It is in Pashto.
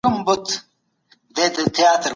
قبیلې معنا نه لري، او هيڅ یوې قبیلې ته اشاره نه کوي